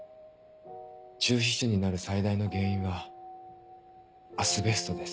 中皮腫になる最大の原因はアスベストです。